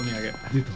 出た。